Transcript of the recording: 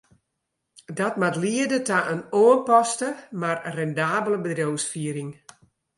Dat moat liede ta in oanpaste, mar rendabele bedriuwsfiering.